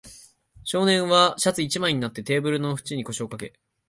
少年はシャツ一枚になって、テーブルの縁に腰をかけ、